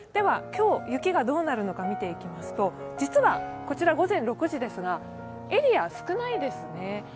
今日、雪がどうなるのか見ていきますと、実はこちら午前６時、エリア、少ないですね。